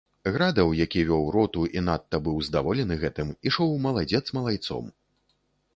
Градаў, які вёў роту і надта быў здаволены гэтым, ішоў маладзец малайцом.